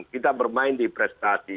kita bermain di prestasi